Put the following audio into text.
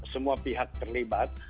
semua pihak terlibat